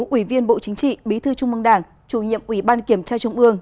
ủy viên bộ chính trị bí thư trung mương đảng chủ nhiệm ủy ban kiểm tra trung ương